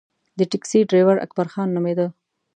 د ټیکسي ډریور اکبرخان نومېده.